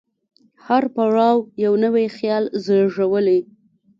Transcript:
هر پړاو یو نوی خیال زېږولی.